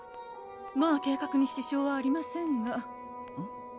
まぁ計画に支障はありませんがうん？